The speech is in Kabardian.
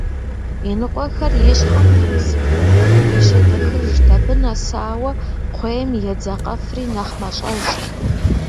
Иныкъуэхэр ищхьэм нэмысыфу къещэтэхыжт, абы нэсауэ кхъуейм едзакъэфри нэхъ мащӀэжт.